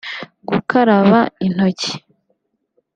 gukaraba intoki